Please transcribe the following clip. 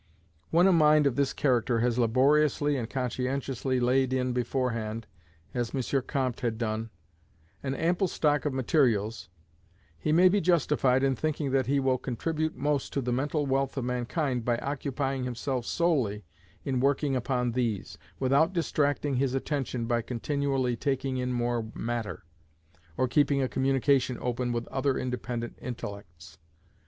When a mind of this character has laboriously and conscientiously laid in beforehand, as M. Comte had done, an ample stock of materials, he may be justified in thinking that he will contribute most to the mental wealth of mankind by occupying himself solely in working upon these, without distracting his attention by continually taking in more matter, or keeping a communication open with other independent intellects.